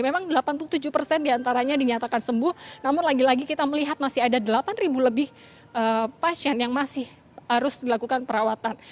memang delapan puluh tujuh persen diantaranya dinyatakan sembuh namun lagi lagi kita melihat masih ada delapan lebih pasien yang masih harus dilakukan perawatan